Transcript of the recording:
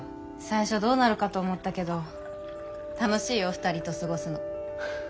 最初どうなるかと思ったけど楽しいよ２人と過ごすの。